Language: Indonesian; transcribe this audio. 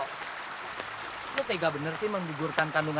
kalau terhadap orang terrengga